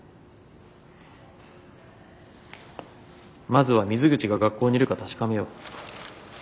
まずは水口が学校にいるか確かめよう。